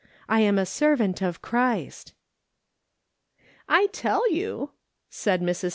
I am a servant of Christ." " 1 tell you," said i\Irs.